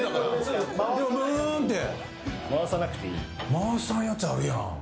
回さんやつあるやん。